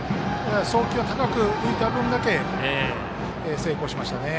送球が高く浮いた分だけ成功しましたね。